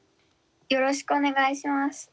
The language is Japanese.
よろしくお願いします。